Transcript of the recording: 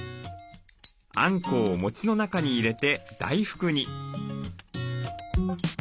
あんこをもちの中に入れて大福に。